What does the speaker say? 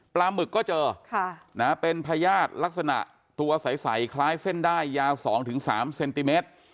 หมึกก็เจอเป็นพญาติลักษณะตัวใสคล้ายเส้นได้ยาว๒๓เซนติเมตร